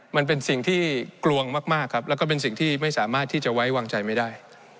มันเป็นสิ่งที่กลวงมากครับแล้วก็เป็นสิ่งที่ไม่สามารถที่จะไว้วางใจไม่ได้